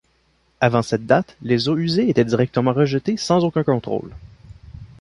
Avant cette date, les eaux usées étaient directement rejetées sans aucun contrôle.